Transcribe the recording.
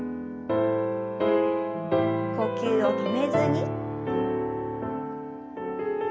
呼吸を止めずに。